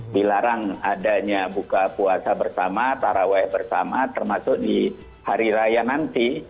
dilarang adanya buka puasa bersama taraweh bersama termasuk di hari raya nanti